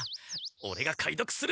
オレが解読する。